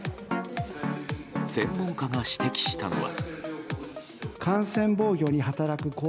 専門家が指摘したのは。